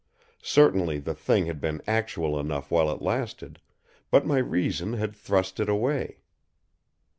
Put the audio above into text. Certainly the thing had been actual enough while it lasted, but my reason had thrust it away.